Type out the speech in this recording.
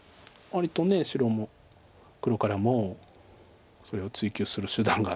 割と黒からもそれを追及する手段が。